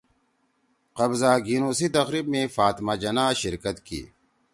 قبضہ گھیِنُو سی تقریب می فاطمہ جناح شرکت کی